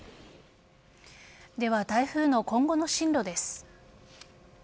では、台風の今後の進路です。